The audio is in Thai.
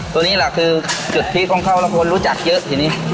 ตัวนี้หลักคือจุดพลิกข้องเข้าละคนรู้จักเยอะทีนี้